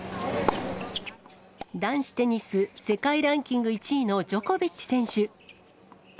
男子テニス世界ランキング１位のジョコビッチ選手。